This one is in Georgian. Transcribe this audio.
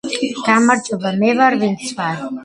გამარჯობა , მე ვარ ვინც ვარ .